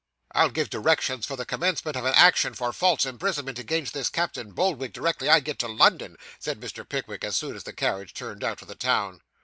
'I'll give directions for the commencement of an action for false imprisonment against this Captain Boldwig, directly I get to London,' said Mr. Pickwick, as soon as the carriage turned out of the town.